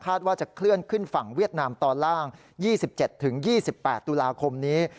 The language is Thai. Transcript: ว่าจะเคลื่อนขึ้นฝั่งเวียดนามตอนล่าง๒๗๒๘ตุลาคมนี้